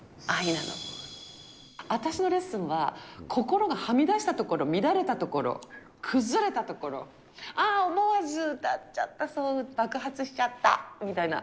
私のレッスンは、心がはみ出したところ、乱れたところ、崩れたところ、ああ、思わず歌っちゃった、そう、爆発しちゃったみたいな。